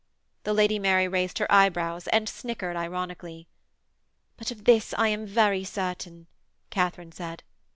The Lady Mary raised her eyebrows and snickered ironically. 'But of this I am very certain,' Katharine said.